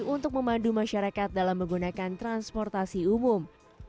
untuk memandu masyarakat dalam menggunakan transportasi umum